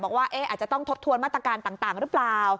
บอกว่าอาจจะต้องทบทวนมาตรการต่างหรือเปล่า